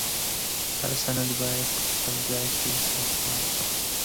هر سند باید په خپل ځای کې ثبت وای.